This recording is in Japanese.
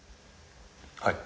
はい。